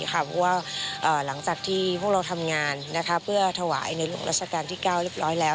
เพราะว่าหลังจากที่พวกเราทำงานเพื่อถวายในหลวงราชการที่๙เรียบร้อยแล้ว